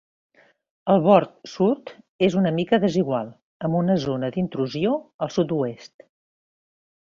El bord sud és una mica desigual, amb una zona d'intrusió al sud-oest.